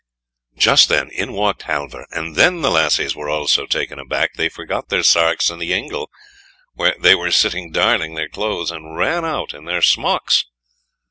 Just then in walked Halvor, and then the lassies were all so taken aback, they forgot their sarks in the ingle, where they were sitting darning their clothes, and ran out in their smocks.